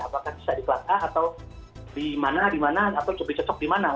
apakah bisa di kelas a atau di mana di mana atau cocok dimana